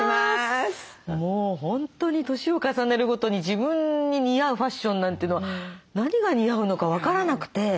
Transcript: もう本当に年を重ねるごとに自分に似合うファッションなんていうのは何が似合うのか分からなくて。